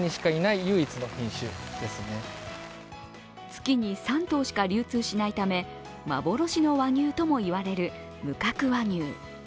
月に３頭しか流通しないため、幻の和牛ともいわれる無角和牛。